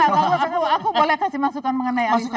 aku boleh kasih masukan mengenai ali sadikin